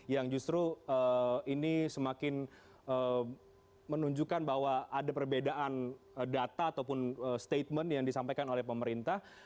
yang justru ini semakin menunjukkan bahwa ada perbedaan data ataupun statement yang disampaikan oleh pemerintah